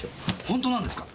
本当なんですか？